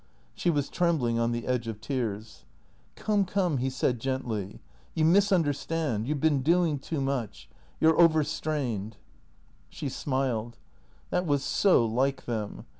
She was trembling on the edge of tears. " Come, come," he said gently, " you misunderstand. You 've been doing too much. You 're overstrained." She smiled. That was so like them.